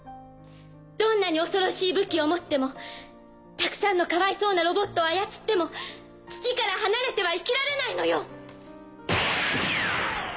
どんなに恐ろしい武器を持ってもたくさんのかわいそうなロボットを操っても土から離れては生きられないのよ！